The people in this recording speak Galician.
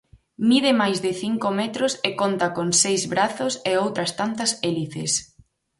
Mide máis de cinco metros e conta con seis brazos e outras tantas hélices.